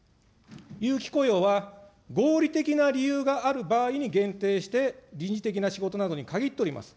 有期雇用は合理的な理由がある場合に限定して臨時的な仕事などに限っております。